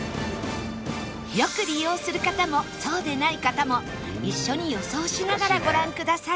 よく利用する方もそうでない方も一緒に予想しながらご覧ください